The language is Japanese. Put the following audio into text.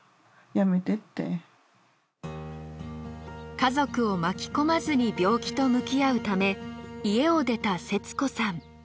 家族を巻き込まずに病気と向き合うため家を出た摂子さん。